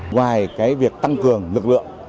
ngoài cái việc tăng cường lực lượng